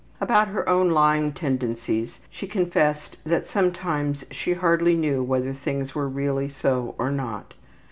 About her own lying tendencies she confessed that sometimes she hardly knew whether things were really so or not.